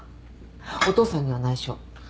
お父さんには内緒。